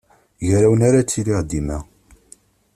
Gar-awen ara ttiliɣ dima.